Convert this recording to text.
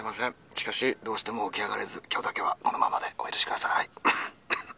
しかしどうしても起き上がれず今日だけはこのままでお許し下さい」。